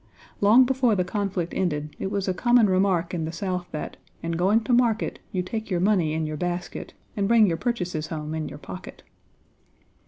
Long before the conflict ended it was a common remark in the South that, "in going to market, you take your money in your basket, and bring your purchases home in your pocket."